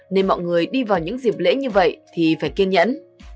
nên mọi người đi vào những dịp lễ như vậy thì phải kiên nhẫn